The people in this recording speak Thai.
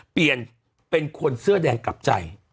เปลี่ยนเป็นคนเสื้อแดงกลับใจ